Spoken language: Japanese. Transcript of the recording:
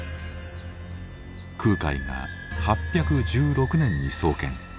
空海が８１６年に創建。